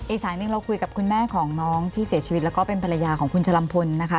อีกสายหนึ่งเราคุยกับคุณแม่ของน้องที่เสียชีวิตแล้วก็เป็นภรรยาของคุณชะลำพลนะคะ